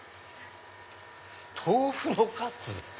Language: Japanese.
豆腐のカツ？